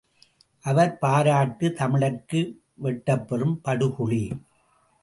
அவர் பாராட்டு தமிழர்க்கு வெட்டப்பெறும் படுகுழி!